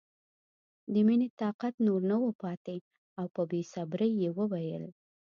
د مینې طاقت نور نه و پاتې او په بې صبرۍ یې وویل